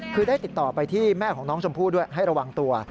คือได้ติดต่อไปที่แม่ของน้องชมพู่ด้วยให้ระวังตัว